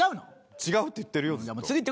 違うって言ってるよずっと。